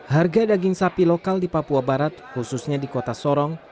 harga daging sapi lokal di papua barat khususnya di kota sorong